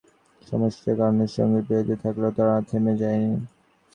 মাঝখানে তাদের কিছু অভ্যন্তরীণ সমস্যার কারণে সংগীতে বিরতি থাকলেও তারা থেমে যায়নি।